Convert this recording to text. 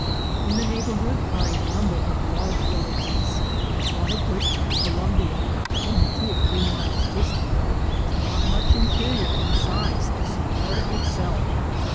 In the neighborhood are a number of large villages, one of which, Col umbia, only two or three miles distant, was not much inferior in size to Sonora itself.